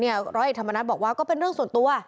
ร้อยเอกธรรมนัฏบอกว่าก็เป็นเรื่องส่วนตัว